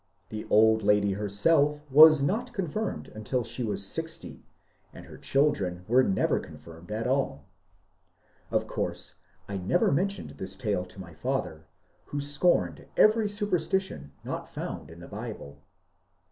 (The old lady herself was not confirmed until she was sixty, and her children were never confirmed at all.) Of course I never mentioned this tale to my father, who scorned every superstition not found in the Bible.